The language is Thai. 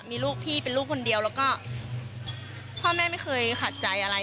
มีลูกพี่เป็นลูกคนเดียวแล้วก็พ่อแม่ไม่เคยขาดใจอะไร